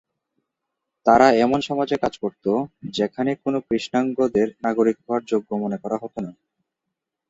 তারা এমন সমাজে কাজ করতো, যেখানে কোনো কৃষ্ণাঙ্গদের নাগরিক হওয়ার যোগ্য মনে করা হতো না।